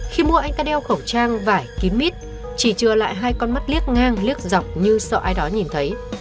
khi mua anh ta đeo khẩu trang vải kín mít chỉ chừa lại hai con mắt liếc ngang liếc dọc như sau ai đó nhìn thấy